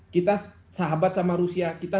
kita sahabat sama rusia kita